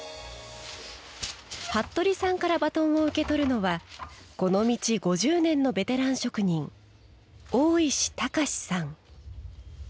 服部さんからバトンを受け取るのはこの道５０年のベテラン職人大石孝さん。